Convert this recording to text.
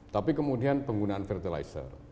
tapi kemudian penggunaan fertilizer